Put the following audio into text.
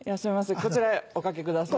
こちらへおかけください。